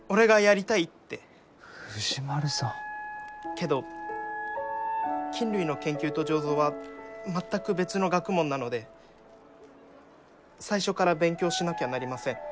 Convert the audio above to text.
けど菌類の研究と醸造は全く別の学問なので最初から勉強しなきゃなりません。